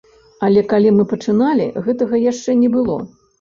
Але калі мы пачыналі, гэтага яшчэ не было.